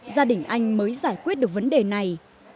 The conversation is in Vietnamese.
gia đình anh mới giải quyết được vấn đề này